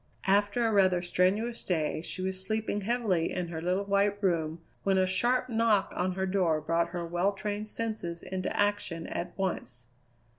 After a rather strenuous day she was sleeping heavily in her little white room when a sharp knock on her door brought her well trained senses into action at once.